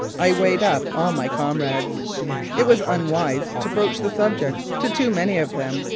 I "weighed up" all my comrades. It was unwise to broach the subject to too many of them.